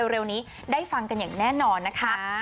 เร็วนี้ได้ฟังกันอย่างแน่นอนนะคะ